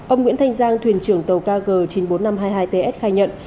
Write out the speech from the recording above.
ông nguyễn thanh giang thuyền trưởng tàu kg chín mươi bốn nghìn năm trăm hai mươi hai ts khai nhận